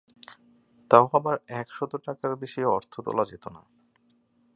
তাও আবার এক শত টাকার বেশি অর্থ তোলা যেত না।